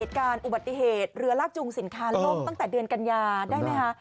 เหตุการณ์อุบัติเหตุเรือลากจูงสินค้าล่มตั้งแต่เดือนกันยาได้ไหมคะ